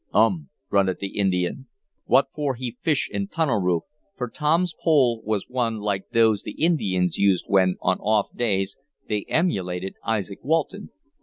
"Um!" grunted the Indian. "Wha for he fish in tunnel roof?" for Tom's pole was one like those the Indians used when, on off days, they emulated Izaak Walton.